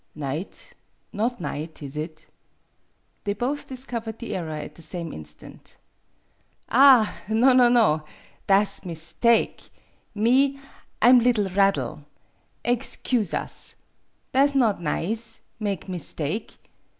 "Night! Not night, is it?" They both discovered the error at the same instant. "Ah! no, no, no! Tha' 's mis take. Me I 'm liddle raddle'. Aexcuse us. Tha' 's not nize, mak' mis take.